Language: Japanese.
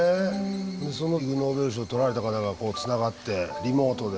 そのイグノーベル賞を取られた方がつながってリモートで。